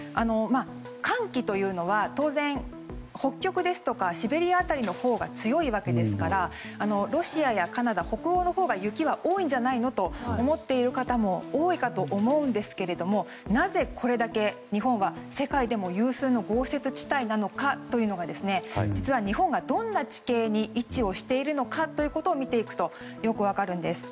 寒気というのは当然北極ですとかシベリア辺りのほうが強いわけですからロシアやカナダ、北欧のほうが雪は多いんじゃないの？と思ってる方も多いかと思うんですがなぜこれだけ日本は世界でも有数の豪雪地帯なのかというのが実は日本がどんな地形に位置をしているのかというのを見ていくとよく分かるんです。